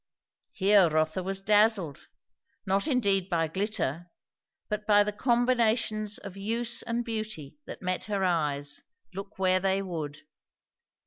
Here Rotha was dazzled. Not indeed by glitter; but by the combinations of use and beauty that met her eyes, look where they would.